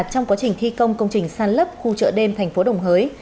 trong quá trình thi công công trình sàn lấp khu chợ đêm thành phố đồng hới